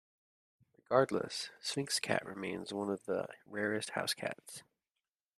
Regardless, Sphynx cat remain one of the rarest housecats.